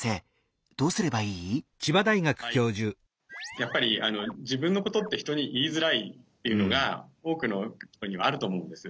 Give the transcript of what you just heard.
やっぱり自分のことって人に言いづらいっていうのが多くの人にはあると思うんです。